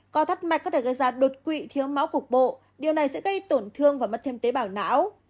co thắt mạch có thể gây ra đột quỵ thiếu máu cục bộ điều này sẽ gây tổn thương và mất thêm tế bào não